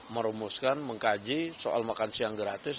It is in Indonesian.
merumuskan mengkaji soal makan siang gratis